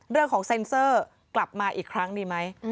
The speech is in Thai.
เรื่องของเซ็นเซอร์กลับมาอีกครั้งดีไหม